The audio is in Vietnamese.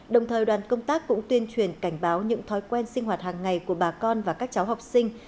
đồng thời đoàn công tác cũng tuyên truyền cảnh báo những thói quen sinh hoạt hàng ngày của bà con và các cháu học sinh